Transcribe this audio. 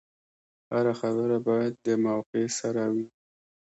هره خبره باید د موقع سره وي.